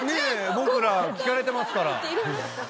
僕ら聞かれてますから。